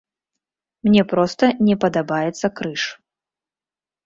Мне проста не падабаецца крыж.